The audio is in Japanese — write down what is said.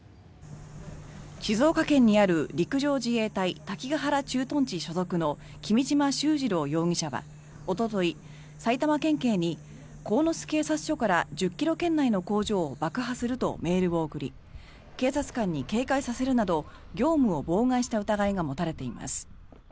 静岡県にある陸上自衛隊滝ヶ原駐屯地所属の君島秀治郎容疑者はおととい埼玉県警に鴻巣警察署から１０ｋｍ圏内の工場を爆破するとメールを送り警察官に警戒させるなど業務を妨害した疑いが持たれています。